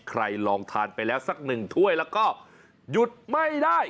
ลองทานไปแล้วสักหนึ่งถ้วยแล้วก็หยุดไม่ได้